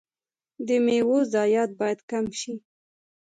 د میوو ضایعات باید کم شي.